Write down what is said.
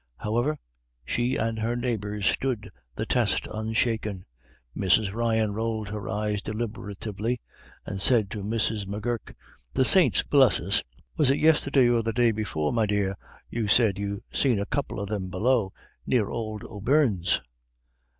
However, she and her neighbors stood the test unshaken. Mrs. Ryan rolled her eyes deliberatively, and said to Mrs. M'Gurk, "The saints bless us, was it yisterday or the day before, me dear, you said you seen a couple of them below, near ould O'Beirne's?"